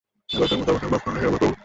এবারকার মতো আমাকে মাপ করো, হে আমার প্রভু।